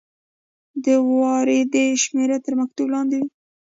د واردې شمیره تر مکتوب لاندې وي.